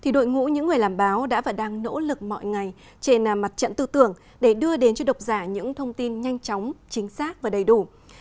đội ngũ những người làm báo đã và đang nỗ lực mọi ngày trên mặt trận tư tưởng để đưa đến cho độc giả những thông tin nhanh chóng chính xác và đầy đủ